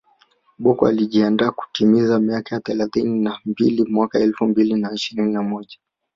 Bocco anayejiandaa kutimiza miaka thelathini na mbili mwaka elfu mbili na ishirini na moja